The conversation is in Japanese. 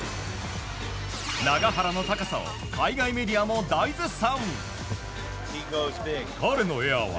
永原の高さを海外メディアも大絶賛。